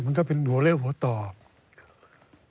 มันก็เป็นหัวเล่หัวตอก